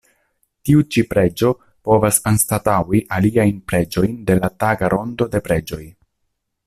Tiu ĉi preĝo povas anstataŭi aliajn preĝojn de la taga rondo de preĝoj.